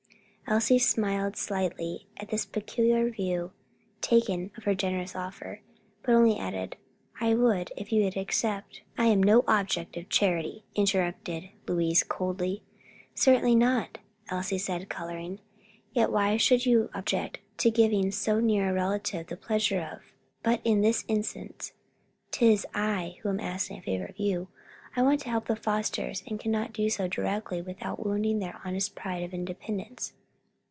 Elsie smiled slightly at this peculiar view taken of her generous offer, but only added, "I would, if you would accept " "I'm no object of charity," interrupted Louise, coldly. "Certainly not," Elsie said, coloring, "yet why should you object to giving so near a relative the pleasure of But in this instance 'tis I who am asking a favor of you. I want to help the Fosters and cannot do so directly, without wounding their honest pride of independence."